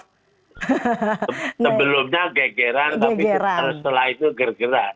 sebelumnya gegeran tapi setelah itu ger geran